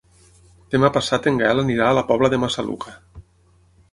Demà passat en Gaël anirà a la Pobla de Massaluca.